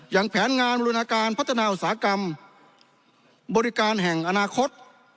อย่างแผนงานบูรณาการพัฒนาอุตสาหกรรมบริการแห่งอนาคต